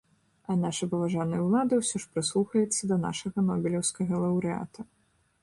А наша паважаная ўлада ўсё ж прыслухаецца да нашага нобелеўскага лаўрэата.